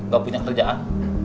gak punya kerjaan